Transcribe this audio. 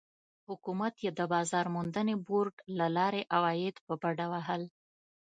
حکومت یې د بازار موندنې بورډ له لارې عواید په بډه وهل.